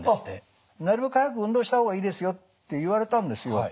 なるべく早く運動した方がいいですよって言われたんですよ。